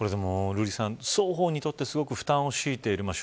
瑠麗さん、双方にとってすごく負担を強いている。